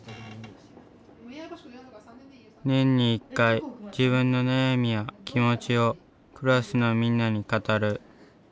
年に１回自分の悩みや気持ちをクラスのみんなに語る。